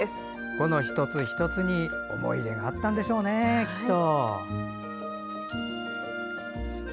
この一つ一つに思い入れがあったんでしょうねきっと。